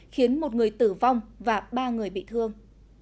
khiến một người tử vong và ba người bị thương